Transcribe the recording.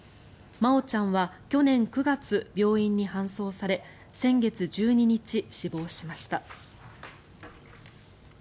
真愛ちゃんは去年９月、病院に搬送され先月１２日、死亡しました。